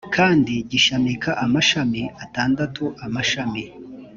kandi gishamika amashami atandatu amashami